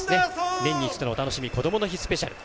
年に一度の楽しみ「こどもの日スペシャル」。